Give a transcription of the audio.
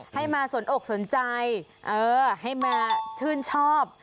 ให้มาสนอกสนใจให้มาชื่นชอบ